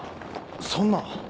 そんな。